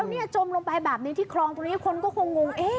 แล้วเนี่ยจมลงไปแบบนี้ที่คลองตรงนี้คนก็คงง